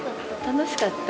楽しかった？